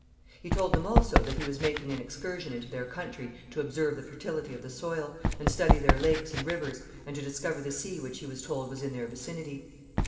He told them also that he was making an excursion into their country to observe the fertility of the soil, and study their lakes and rivers, and to discover the sea which he was told was in their vicinity.